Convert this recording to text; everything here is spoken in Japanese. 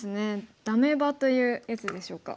ダメ場というやつでしょうか。